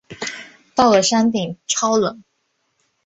到了山顶超冷